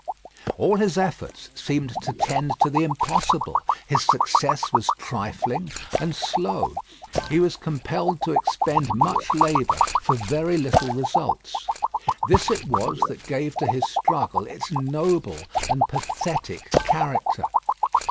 All his efforts seemed to tend to the impossible. His success was trifling and slow. He was compelled to expend much labour for very little results. This it was that gave to his struggle its noble and pathetic character.